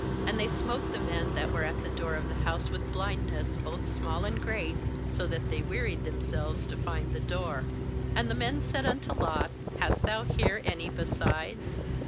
uAnd they smote the men that were at the door of the house with blindness, both small and great; so that they wearied themselves to find the door. ^And the men said unto Lot: 'Hast thou here any besides?